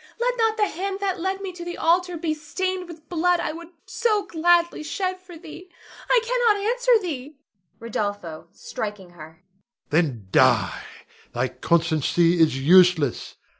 Let not the hand that led me to the altar be stained with blood I would so gladly shed for thee. I cannot answer thee. Rod. [striking her]. Then die: thy constancy is useless.